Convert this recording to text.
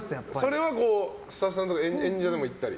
それはスタッフさんとか演者で行ったり？